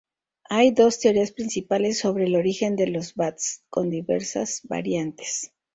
Hay dos teorías principales sobre el origen de los bats, con diversas variantes.